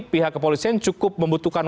pihak kepolisian cukup membutuhkan